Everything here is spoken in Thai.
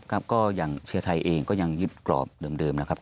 ครับก็อย่างเชียร์ไทยเองก็ยังยึดกรอบเดิมนะครับ